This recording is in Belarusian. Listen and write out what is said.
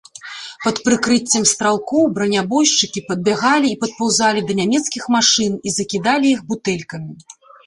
Пад прыкрыццем стралкоў бранябойшчыкі падбягалі і падпаўзалі да нямецкіх машын і закідалі іх бутэлькамі.